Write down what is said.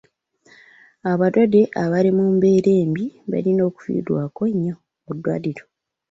Abalwadde abali mu mbeera embi balina okufiibwako ennyo mu ddwaliro.